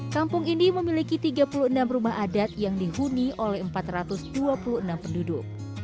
kampung ini memiliki tiga puluh enam rumah adat yang dihuni oleh empat ratus dua puluh enam penduduk